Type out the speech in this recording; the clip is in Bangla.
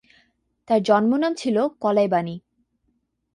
তাঁর জন্মনাম ছিল কলাইবাণী।